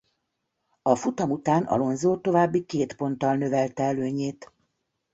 A futam után Alonso további két ponttal növelte előnyét.